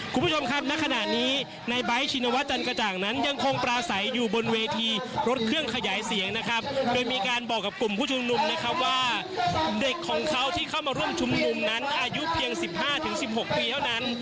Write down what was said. คุณผู้ชมครับณขณะนี้ในใบท์ชินวัฒน์จันกระจ่างนั้น